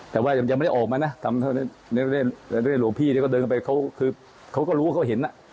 แต่ว่ายังไม่ได้ออกมานะทำให้ลุงพี่เดินไปเขาก็รู้เขาเห็นน่ะ